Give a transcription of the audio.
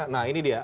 nah ini dia